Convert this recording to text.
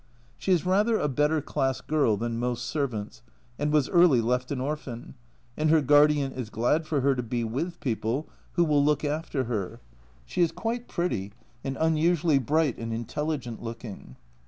She is rather a better class girl than most servants, and was early left an orphan, and her guardian is glad for her to be with people who will look after her. She is quite pretty, and unusually bright and intelligent looking.